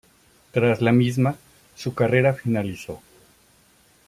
Tras la misma su carrera finalizó.